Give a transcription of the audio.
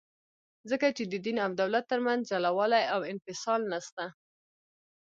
ځکه چي د دین او دولت ترمنځ جلاوالي او انفصال نسته.